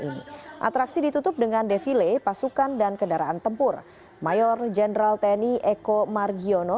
ini atraksi ditutup dengan defile pasukan dan kendaraan tempur mayor jenderal tni eko margiono